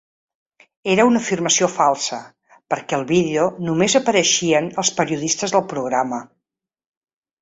Era una afirmació falsa, perquè al vídeo només hi apareixien els periodistes del programa.